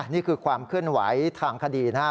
นี่คือความเคลื่อนไหวทางคดีนะครับ